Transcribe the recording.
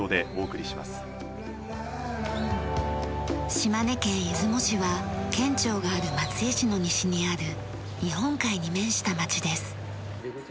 島根県出雲市は県庁がある松江市の西にある日本海に面した街です。